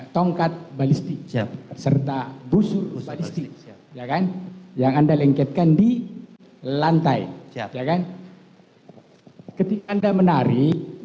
tongkat balistik serta busur busur yang anda lengketkan di lantai siap siap ketika anda menari